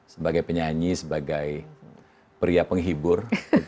sebagai penyanyi sebagai pria penghibur